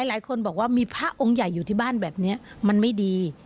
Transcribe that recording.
หลายคนบอกว่ามีพระองค์ใหญ่อยู่ที่บ้านแบบนี้มันไม่ดี